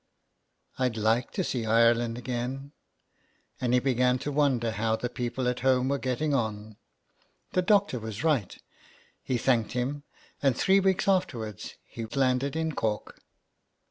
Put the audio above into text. " I'd like to see Ireland again." And he began to wonder how the people at home were getting on. The doctor was right. He thanked him, and three weeks afterwards he landed in Cork.